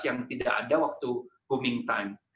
yang tidak ada waktu booming time